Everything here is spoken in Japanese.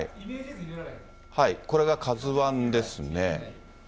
これがＫＡＺＵＩですね。